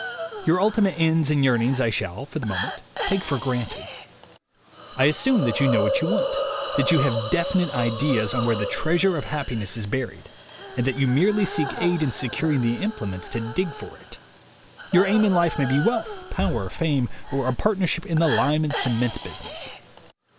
Your ultimate ends and yearnings I shall, for the moment, take for granted. I assume that you know what you want, that you have definite ideas on where the treasure of happiness is buried, and that you merely seek aid in securing the implements to dig for it. Your aim in life may be wealth, power, fame, or a partnership in the lime and cement business.